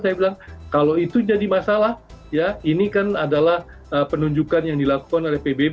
saya bilang kalau itu jadi masalah ya ini kan adalah penunjukan yang dilakukan oleh pbb